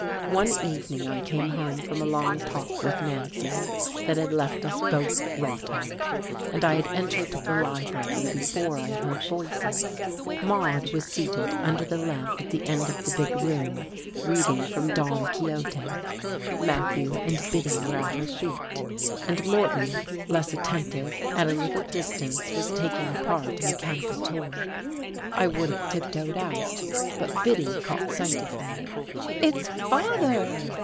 One evening I came home from a long talk with Nancy that had left us both wrought up, and I had entered the library before I heard voices. Maude was seated under the lamp at the end of the big room reading from "Don Quixote"; Matthew and Biddy were at her feet, and Moreton, less attentive, at a little distance was taking apart a mechanical toy. I would have tiptoed out, but Biddy caught sight of me. "It's father!"